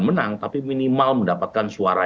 menang tapi minimal mendapatkan suara